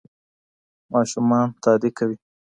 ماشومان تادي کوي.